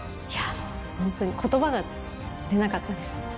もう、本当にことばが出なかったです。